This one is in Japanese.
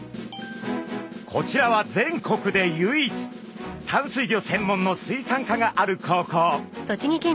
こちらは全国で唯一淡水魚専門の水産科がある高校。